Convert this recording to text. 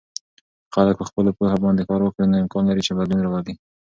که خلک په خپلو پوهه باندې کار وکړي، نو امکان لري چې بدلون راولي.